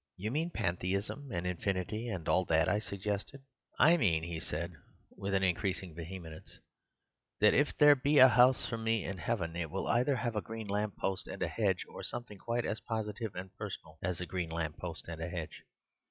"'You mean pantheism and infinity and all that,' I suggested. "'I mean,' he said with increasing vehemence, 'that if there be a house for me in heaven it will either have a green lamp post and a hedge, or something quite as positive and personal as a green lamp post and a hedge.